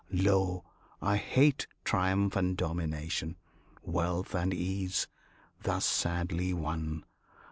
Lo, I hate Triumph and domination, wealth and ease, Thus sadly won!